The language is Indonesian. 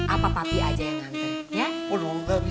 apa pati aja yang ngantri